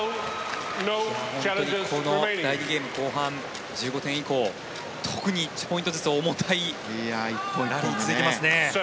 本当にこの第２ゲーム後半特に１５ポイント以降重たいラリーが続いていますね。